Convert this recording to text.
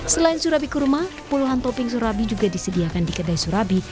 selain surabi kurma puluhan topping surabi juga disediakan di kedai surabi